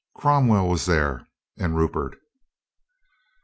Crom well was there, and Rupert.